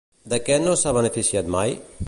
De què no s'ha beneficiat mai?